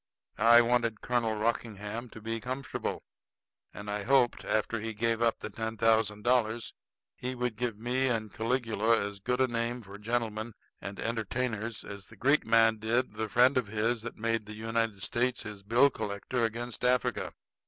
I wanted Colonel Rockingham to be comfortable; and I hoped after he gave up the ten thousand dollars he would give me and Caligula as good a name for gentlemen and entertainers as the Greek man did the friend of his that made the United States his bill collector against Africa.